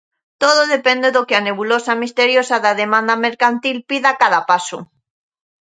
Todo depende do que a nebulosa misteriosa da demanda mercantil pida a cada paso.